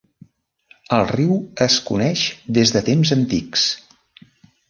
El riu es coneix des de temps antics.